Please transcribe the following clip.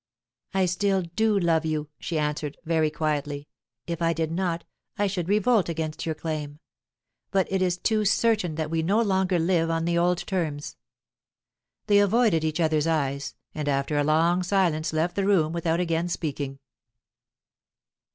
"I still do love you," she answered, very quietly. "If I did not, I should revolt against your claim. But it is too certain that we no longer live on the old terms." They avoided each other's eyes, and after a long silence left the room without again speaking.